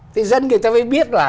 thì dân người ta phải biết là